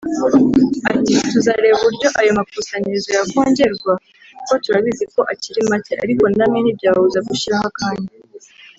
Ati “Tuzareba uburyo ayo makusanyirizo yakongerwa kuko turabizi ko akiri make ariko namwe ntibyababuza gushyiraho akanyu”